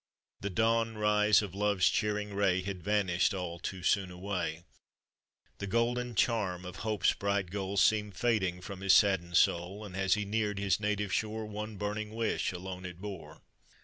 The dawn rise of Love's cheering ray Had vanished all to soon away, The golden charm of hope's bright goal Seemed fading from his saddened soul, And as he neared his native shore One burning wish alone it bore.